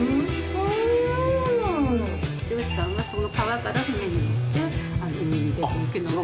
漁師さんはその川から船に乗って海に出ていくので。